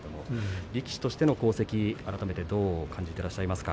力士としての功績どう感じていらっしゃいますか？